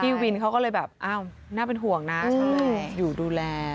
พี่วินเขาก็เลยแบบอ้าวน่าเป็นห่วงนะอยู่ดูแล